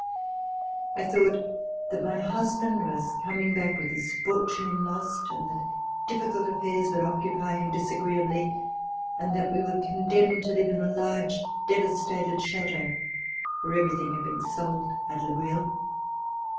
I thought that my husband was com ing back with his fortune lost, and that diflFicult affairs would occupy him disagreeably and that we were condemned to live in a large devastated chateau, for everything had been sold at Le Bouilh.